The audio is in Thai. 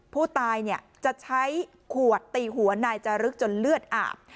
ผู้ตายจะใช้ขวดตีหัวนายจารึกจนเลือดอาบ